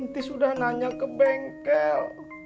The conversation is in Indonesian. nanti sudah nanya ke bengkel